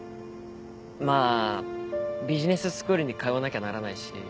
まあビジネススクールに通わなきゃならないし。